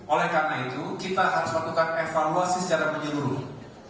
oleh karena itu kita harus melakukan evaluasi secara menyeluruh